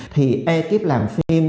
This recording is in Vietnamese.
thì ekip làm phim